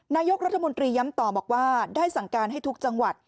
นายกรัฐมนตรีย้ำต่อบอกว่าได้สั่งการให้ทุกจังหวัด